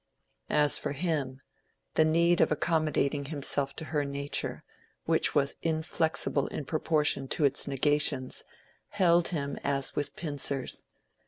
As for him, the need of accommodating himself to her nature, which was inflexible in proportion to its negations, held him as with pincers.